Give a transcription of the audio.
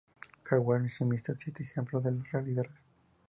Jaguar suministró siete ejemplos a los realizadores.